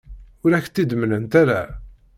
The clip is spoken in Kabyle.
Ur ak-tt-id-mlant ara.